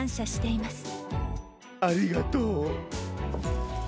ありがとう。